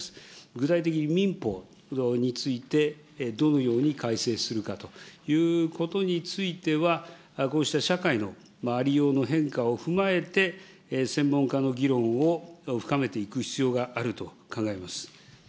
具体的に民法についてどのように改正するかということについては、こうした社会のありようの変化を踏まえて、専門家の議論を深めていく必要があると考えます。